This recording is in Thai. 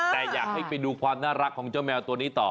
แต่อยากให้ไปดูความน่ารักของเจ้าแมวตัวนี้ต่อ